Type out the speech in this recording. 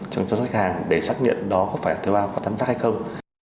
cho khách hàng để xác nhận đó có phải là tập theo phát án giác hay không